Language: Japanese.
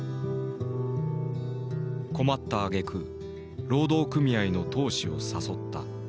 困ったあげく労働組合の闘士を誘った。